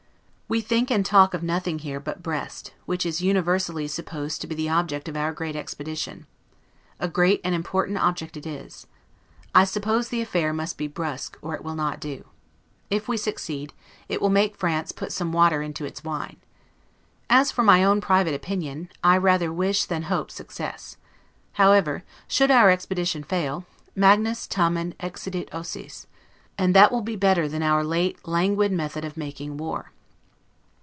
We think and talk of nothing here but Brest, which is universally supposed to be the object of our great expedition. A great and important object it is. I suppose the affair must be brusque, or it will not do. If we succeed, it will make France put some water to its wine. As for my own private opinion, I own I rather wish than hope success. However, should our expedition fail, 'Magnis tamen excidit ausis', and that will be better than our late languid manner of making war.